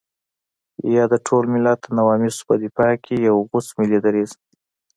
يا د ټول ملت د نواميسو په دفاع کې يو غوڅ ملي دريځ.